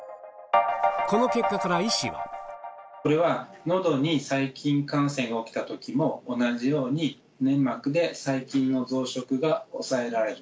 これは、のどに細菌感染が起きたときも、同じように、粘膜で細菌の増殖が抑えられる。